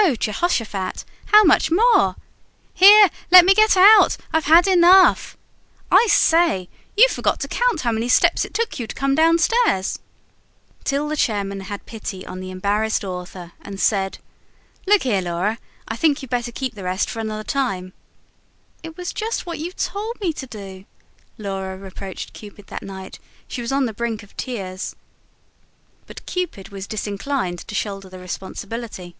"Oh, Jehoshaphat! How much more?" "Here, let me get out. I've had enough." "I say, you forgot to count how many steps it took you to come downstairs." Till the chairman had pity on the embarrassed author and said: "Look here, Laura, I think you'd better keep the rest for another time." "It was just what you told me to do," Laura reproached Cupid that night: she was on the brink of tears. But Cupid was disinclined to shoulder the responsibility.